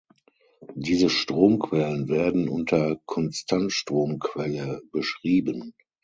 Diese Stromquellen werden unter Konstantstromquelle beschrieben.